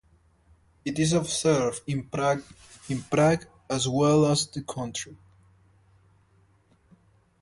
It is observed in Prague as well as in the country.